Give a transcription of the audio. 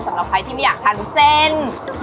สำหรับใครที่ไม่อยากทานเส้น